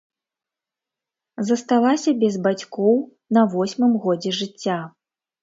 Засталася без бацькоў на восьмым годзе жыцця.